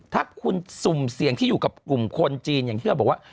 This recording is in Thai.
ถ้าคุณสุ่มเสี่ยงที่อยู่กับกลุ่มคนจีนอย่างที่เราบอกว่า